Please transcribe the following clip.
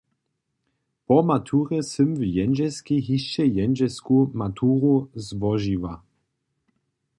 Po maturje sym w Jendźelskej hišće jendźelsku maturu złožiła.